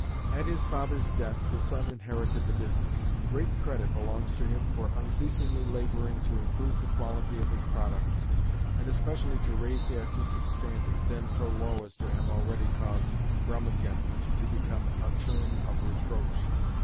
At his father's death, the son inherited the business. Great credit belongs to him for unceasingly laboring to improve the quality of his products and especially to raise the artistic standard, then so low as to have already caused "Brummagem" to become a term of reproach.